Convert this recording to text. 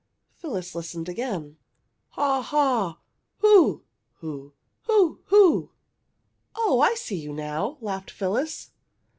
Phyllis listened again. "Haw haw! Hoo! hoo! Hoo! Hoo!" "Oh, I see you now!" laughed Phyllis.